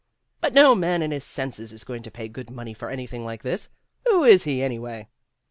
"But no man in his senses is going to pay good money for anything like this. Who is he, anyway